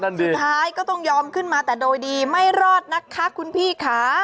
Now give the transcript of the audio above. สุดท้ายก็ต้องยอมขึ้นมาแต่โดยดีไม่รอดนะคะคุณพี่ค่ะ